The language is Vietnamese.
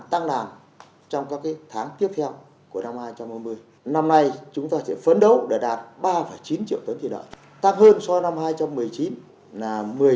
tăng hơn so với năm hai nghìn một mươi chín là một mươi tám bốn và tăng so với năm hai nghìn một mươi tám là hai mươi một